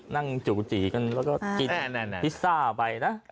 จู่จีกันแล้วก็กินพิซซ่าไปนะ